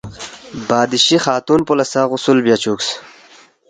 بادشی خاتون پو لہ سہ غسل بیاچُوک